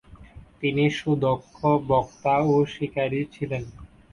তিনি সুদক্ষ বক্তা ও শিকারী ছিলেন।